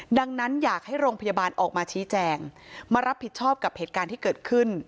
ดังนั้นอยากให้โรงพยาบาลออกมาชี้แจงมารับผิดชอบกับเหตุการณ์ที่เกิดขึ้น